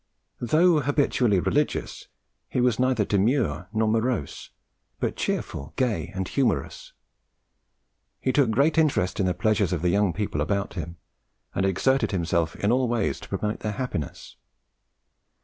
Though habitually religious, he was neither demure nor morose, but cheerful, gay, and humorous. He took great interest in the pleasures of the young people about him, and exerted himself in all ways to promote their happiness.